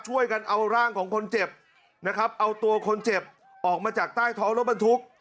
ช่วยกันเอาร่างของคนเจ็บนะครับเอาตัวคนเจ็บออกมาจากใต้ท้องรถบรรทุก